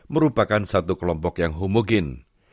merupakan satu kelompok yang humogen